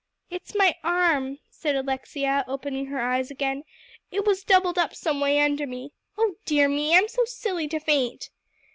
"It's my arm," said Alexia, opening her eyes again; "it was doubled up someway under me. Oh dear me! I'm so silly to faint."